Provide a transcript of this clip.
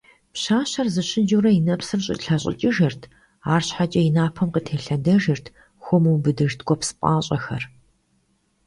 Пщащэр зэщыджэурэ и нэпсыр щӀилъэщӀыкӀыжырт, арщхьэкӀэ, и напэм къытелъэдэжырт хуэмыубыдыж ткӀуэпс пӀащэхэр.